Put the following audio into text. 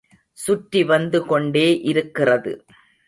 சுற்றி வந்து கொண்டே இருக்கிறது.